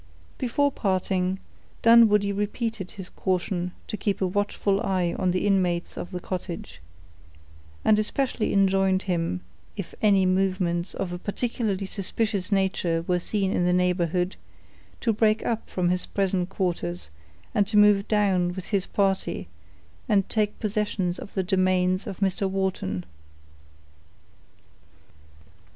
Before parting, Dunwoodie repeated his caution to keep a watchful eye on the inmates of the cottage; and especially enjoined him, if any movements of a particularly suspicious nature were seen in the neighborhood, to break up from his present quarters, and to move down with his party, and take possession of the domains of Mr. Wharton.